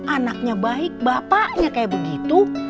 anaknya baik bapaknya kayak begitu